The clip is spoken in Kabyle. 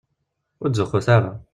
Ur ttzuxxut ara.